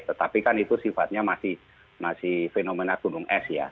tetapi kan itu sifatnya masih fenomena gunung es ya